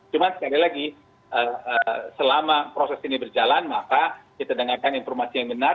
cuma sekali lagi selama proses ini berjalan maka kita dengarkan informasi yang benar